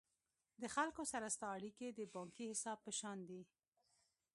د خلکو سره ستا اړیکي د بانکي حساب په شان دي.